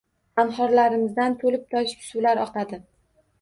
Anhorlarimizdan to‘libtoshib suvlar oqadi